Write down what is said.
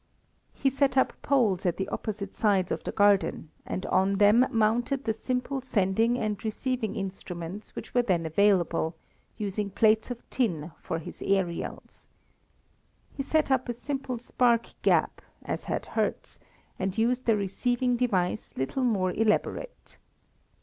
He set up poles at the opposite sides of the garden and on them mounted the simple sending and receiving instruments which were then available, using plates of tin for his aerials. He set up a simple spark gap, as had Hertz, and used a receiving device little more elaborate.